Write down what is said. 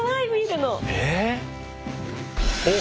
おっ。